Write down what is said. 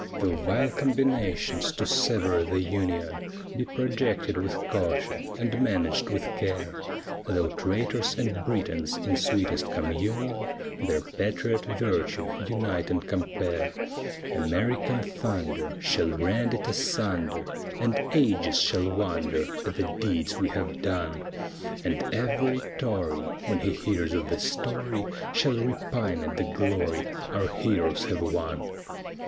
Though vile combinations to sever the Union Be projected with caution and managed with care, Though traitors and Britons, in sweetest communion, Their patriot virtue unite and compare, American thunder Shall rend it asunder, And ages shall wonder At the deeds we have done: And every Tory When he hears of the story, Shall repine at the glory Our heroes have won.